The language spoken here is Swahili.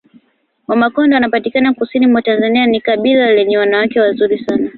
Wamakonde wanapatikana kusini mwa Tanzania ni kabila lenye wanawake wazuri sana